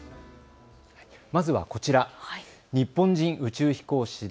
まずはこちら、日本人宇宙飛行士で